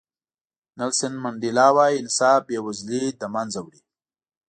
نیلسن منډیلا وایي انصاف بې وزلي له منځه وړي.